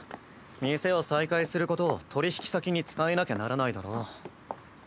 店を再開することを取引先に伝えなきゃならないだろ。